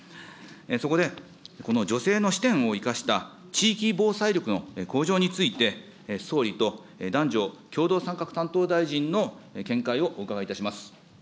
そこで、この女性の視点を生かした地域防災力の向上について、総理と男女共同参画担当大臣の見解をお伺いいたします。